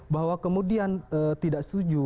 bahwa kemudian tidak setuju